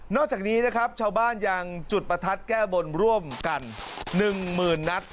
จากนี้นะครับชาวบ้านยังจุดประทัดแก้บนร่วมกัน๑๐๐๐นัด